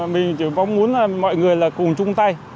mình chỉ muốn mọi người là cùng chung tay